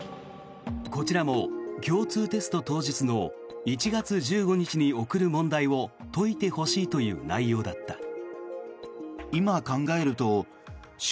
こちらも共通テスト当日の１月１５日に送る問題を解いてほしいという内容だった。